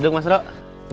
terima kasih kang bro